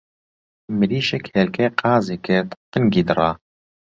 مریشک هێلکهی قازی کرد قنگی دڕا